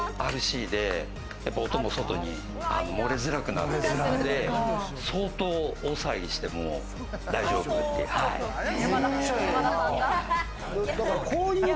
ＲＣで、音も外に漏れずらくなっているので、相当、大騒ぎしても大丈夫っていう。